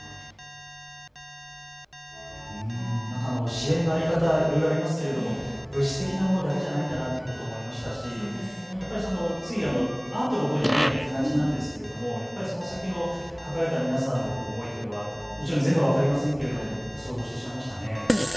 支援の在り方、いろいろありますけれども物質的なものだけじゃないんだなと思いましたしやっぱりついアートのほうに目が行きがちなんですけれどもその先の描かれた皆さんの思いというのは、もちろん全部は分かりませんけれども想像してしまいましたね。